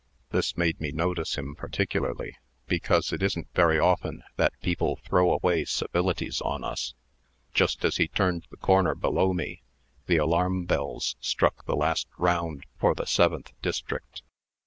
This made me notice him particularly, because it isn't very often that people throw away civilities on us. Just as he turned the corner below me, the alarm bells struck the last round for the Seventh District.